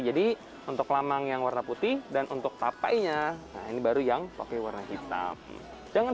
jadi untuk lamang yang warna putih dan untuk papainya ini baru yang pakai warna hitam jangan